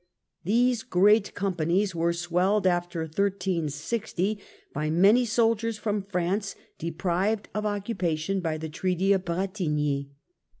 These Great Companies were swelled after 1360 by many soldiers from France, deprived of occupation by the Treaty of Bretigny.